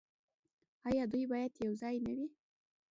آیا دوی باید یوځای نه وي؟